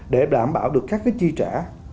để đảm bảo được các cái chi trả